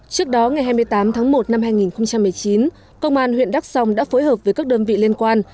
trước đó ngày hai mươi tám tháng một năm hai nghìn một mươi chín công an huyện đắk song đã phối hợp với các đơn vị liên quan